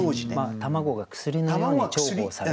卵が薬のように重宝されていた時代。